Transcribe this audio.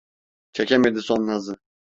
Çekemedi son nazı.